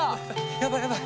やばいやばい。